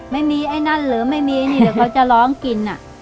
ไม่มีไอ้นั่นเหรอไม่มีไอ้นี่เหรอเขาจะร้องกินอะ